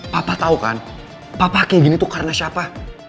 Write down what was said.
papa tahu kan papa kayak gini tuh karena siapa